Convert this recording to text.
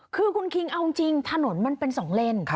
คือคุณคิงเอาจริงถนนมันเป็น๒เลน